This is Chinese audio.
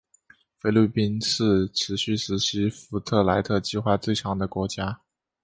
菲律宾是持续实施福布莱特计划最长的国家。